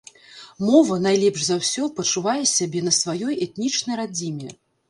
Мова найлепш за ўсё пачувае сябе на сваёй этнічнай радзіме.